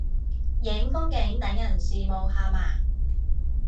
影風景等人羨慕下嘛